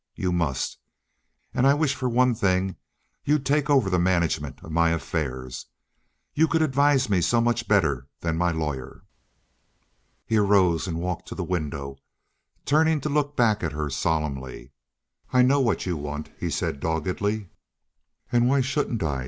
You must. And I wish for one thing you'd take over the management of my affairs. You could advise me so much better than my lawyer." He arose and walked to the window, turning to look back at her solemnly. "I know what you want," he said doggedly. "And why shouldn't I?"